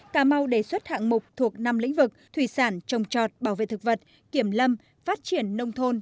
cà mau đề xuất hạng mục thuộc năm lĩnh vực thủy sản trồng trọt bảo vệ thực vật kiểm lâm phát triển nông thôn